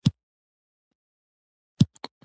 د مغل زور په دهقان د دهقان په ځمکه .